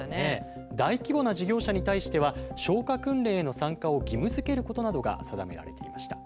大規模な事業者に対しては消火訓練への参加を義務づけることなどが定められていました。